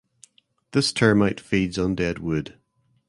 This termite feeds on dead wood.